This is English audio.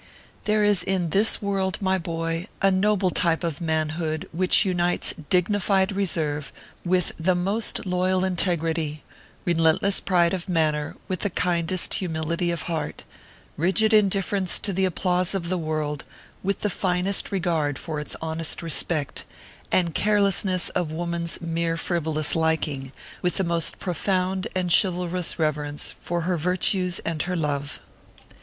There is in this world, my boy, a noble type of manhood which unites dignified reserve with the most loyal integrity, relentless pride of manner with the kindest humility of heart, rigid indifference to the applause of the world with the finest regard for its honest respect, and carelessness of woman s mere frivolous liking with the most profound and chival rous reverence for her virtues and her love.